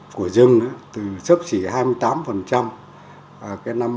chúng ta đã rất là thành công đưa cái đổ chế phủ